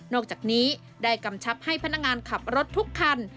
อกจากนี้ได้กำชับให้พนักงานขับรถทุกคัน